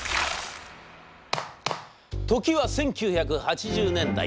時は１９８０年代。